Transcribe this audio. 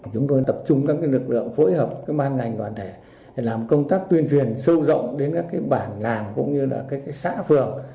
chúng tôi tập trung các cái lực lượng phối hợp cái man ngành toàn thể để làm công tác tuyên truyền sâu rộng đến các cái bản làm cũng như là các cái xã phường